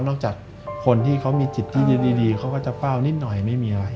จากคนที่เขามีจิตที่ดีเขาก็จะเฝ้านิดหน่อยไม่มีอะไร